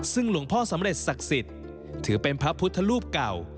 ซึ่งหลวงพ่อสำเร็จศักดิ์สิทธิ์ถือเป็นพระพุทธรูปเก่า